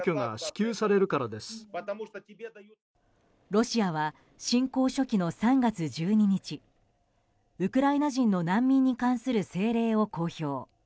ロシアは侵攻初期の３月１２日ウクライナ人の難民に関する政令を公表。